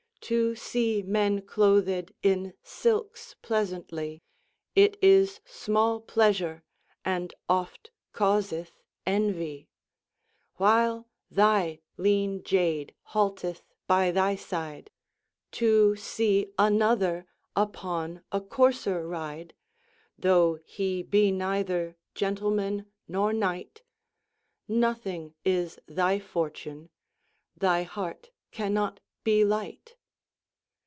To see men clothed in silkes pleasauntly It is small pleasour, and ofte causeth envy. While thy lean jade halteth by thy side, To see another upon a, courser ride, Though he be neyther gentleman nor knight, Nothing is thy fortune, thy hart cannot be light.